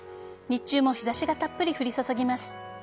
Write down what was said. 日中も日差しがたっぷり降り注ぎます。